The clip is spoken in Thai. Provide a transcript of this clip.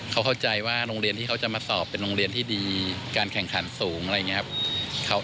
เขาเข้าใจว่าโรงเรียนที่เขาจะมาสอบเป็นโรงเรียนที่ดีการแข่งขันสูงอะไรอย่างนี้ครับ